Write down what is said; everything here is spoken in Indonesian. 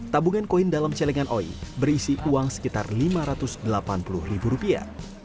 tabungan koin dalam celengan oi berisi uang sekitar lima ratus delapan puluh ribu rupiah